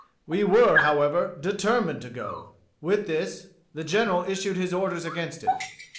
We were, however, determined to go. With this, the General issued his orders against it.